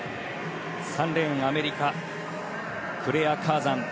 ３レーンアメリカ、クレア・カーザン。